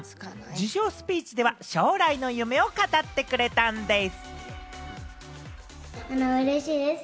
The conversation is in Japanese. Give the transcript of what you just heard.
受賞スピーチでは将来の夢を語ってくれたんでぃす。